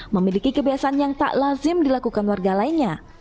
memiliki kebiasaan yang tak lazim dilakukan warga lainnya